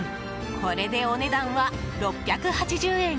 これで、お値段は６８０円。